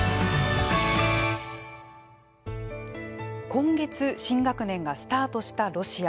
今月新学年がスタートしたロシア。